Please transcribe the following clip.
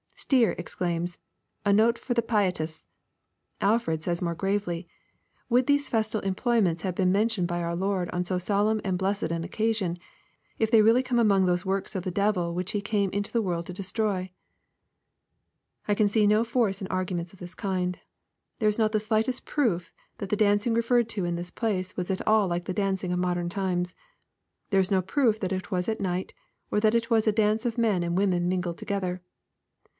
Stier exclaims, "A Note for the Pietists!" Alford says more gravely, " Would these festal employments have been mentioned by our Lord on so solemn and blessed an occasion, if they really come among those works of the devil which He came into the world to destroy ?" I can see no force in arguments of this kind. There is not the slightest proof that the dancing referred to in this place was at all like the dancing of modem times. There is no proof that it was at night, or that it wtis a dance of men and women mingled to gether.